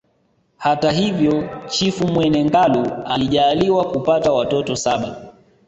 Hata hivyo Chifu Mwene Ngalu alijaaliwa kupata watoto saba